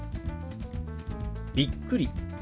「びっくり」。